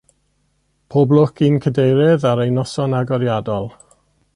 Pob lwc i'n cadeirydd ar ei noson agoriadol